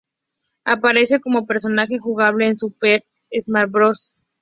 Aparece como personaje jugable en Super Smash Bros.